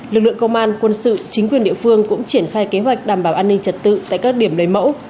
lực lượng công an quân sự chính quyền địa phương cũng triển khai kế hoạch đảm bảo an ninh trật tự tại các điểm lấy mẫu